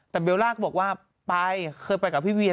แต่เบลล่าก็บอกว่าไปเคยไปกับพี่เวีย